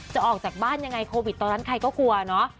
ออกจากบ้านยังไงโควิดตอนนั้นใครก็กลัวเนอะ